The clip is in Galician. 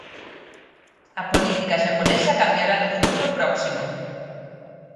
A política xaponesa cambiará nun futuro próximo.